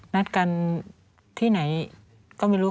นัดกันที่ไหนก็ไม่รู้